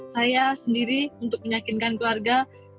saya sendiri untuk meyakinkan keluarga